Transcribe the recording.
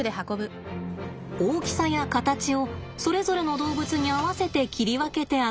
大きさや形をそれぞれの動物に合わせて切り分けて与えます。